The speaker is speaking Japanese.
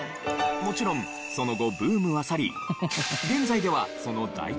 もちろんその後ブームは去り。